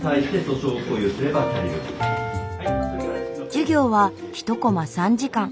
授業は１コマ３時間。